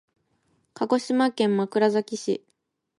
鹿児島県枕崎市